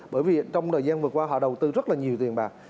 bởi vì trong thời gian vừa qua họ đầu tư rất là nhiều tiền bạc